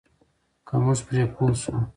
که موږ پرې پوه شو.